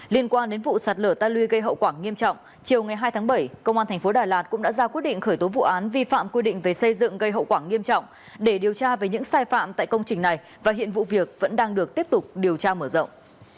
liên quan đến vụ sạt lở ta lưu gây hậu quả nghiêm trọng chiều ngày hai tháng bảy công an tp đà lạt cũng đã ra quyết định khởi tố vụ án vi phạm quy định về xây dựng gây hậu quả nghiêm trọng để điều tra về những sai phạm tại công trình này và hiện vụ việc vẫn đang được tiếp tục điều tra mở rộng